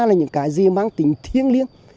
là những cái gì mang tính thiêng liêng